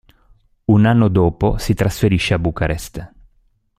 Un anno dopo si trasferisce a Bucarest.